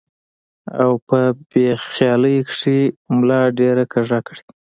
او پۀ بې خيالۍ کښې ملا ډېره کږه کړي ـ